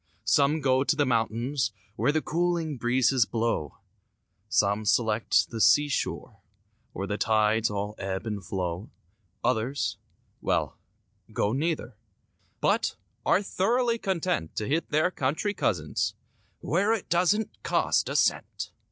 Some go to the mountains Where the cooling breezes blow; Some select the seashore Where the tides all ebb and flow; Others,—well, go neither But are thoroughly content To hit their country cousins— "Where it doesn't cost a cent."